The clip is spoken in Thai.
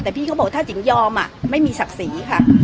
แต่พี่เขาบอกว่าถ้าจิ๋งยอมไม่มีศักดิ์ศรีค่ะ